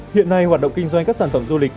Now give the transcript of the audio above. hiện nay hoạt động kinh doanh các sản phẩm du lịch